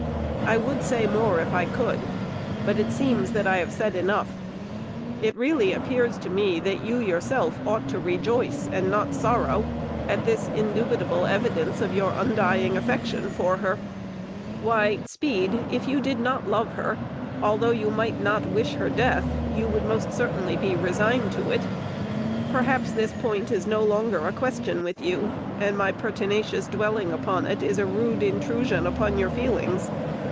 I would say more if I could, but it seems that I have said enough. It really appears to me that you yourself ought to rejoice, and not sorrow, at this indubitable evidence of your undying affection for her. Why, Speed, if you did not love her, although you might not wish her death, you would most certainly be resigned to it. Perhaps this point is no longer a question with you, and my pertinacious dwelling upon it is a rude intrusion upon your feelings.